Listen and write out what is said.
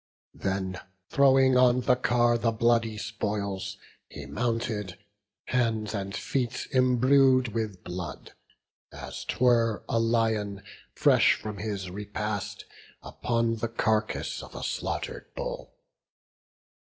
Then, throwing on the car the bloody spoils, He mounted, hands and feet imbrued with blood, As 'twere a lion, fresh from his repast Upon the carcase of a slaughter'd bull.